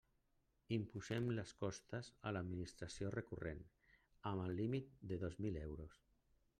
Imposem les costes a l'Administració recurrent, amb el límit de dos mil euros.